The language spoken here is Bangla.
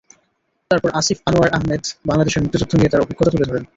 তারপর আসিফ আনোয়ার আহমেদ বাংলাদেশের মুক্তিযুদ্ধ নিয়ে তার অভিজ্ঞতা তুলে ধরেন।